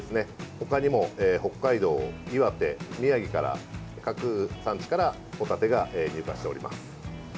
他にも北海道、岩手、宮城から各産地からホタテが入荷しております。